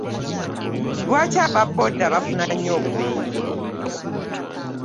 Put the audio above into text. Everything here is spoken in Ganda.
Lwaki aba booda bafuna nnyo obubenje?